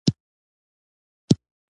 هر څوک چې بخښنه کوي، سړی ګڼل کیږي.